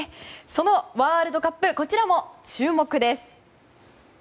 そのワールドカップこちらも注目です。